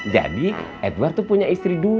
jadi edward itu punya istri dua